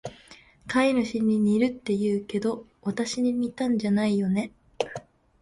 飼い主に似るって言うけど、わたしに似たんじゃないよね？